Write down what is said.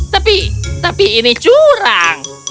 tapi tapi ini curang